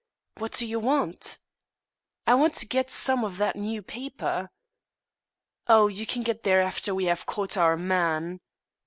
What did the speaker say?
"What do you want?" "I want to get some of that new paper." "Oh, you can get there after we have caught our man."